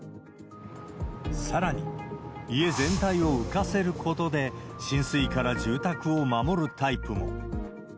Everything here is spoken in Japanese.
さらに、家全体を浮かせることで、浸水から住宅を守るタイプも。